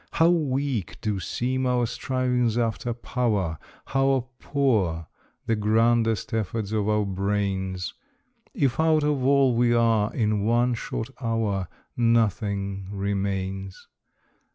How weak do seem our strivings after power, How poor the grandest efforts of our brains, If out of all we are, in one short hour Nothing remains.